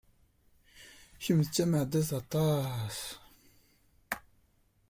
Kemm d tameɛdazt aṭas!